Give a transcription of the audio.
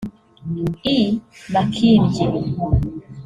I Makindye